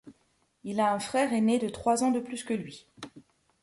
Il a un frère aîné de trois ans de plus que lui.